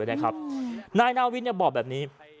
นายน้าอาวิทย์บอกแบบนี้